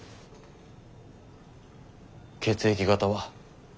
血液型は？